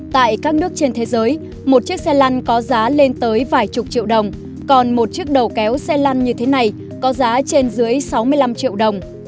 tại các nước trên thế giới một chiếc xe lăn có giá lên tới vài chục triệu đồng còn một chiếc đầu kéo xe lăn như thế này có giá trên dưới sáu mươi năm triệu đồng